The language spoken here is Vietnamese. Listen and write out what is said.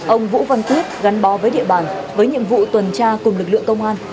ông vũ văn quyết gắn bó với địa bàn với nhiệm vụ tuần tra cùng lực lượng công an